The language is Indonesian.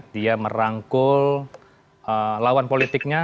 dia merangkul lawan politiknya